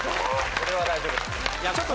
これは大丈夫です。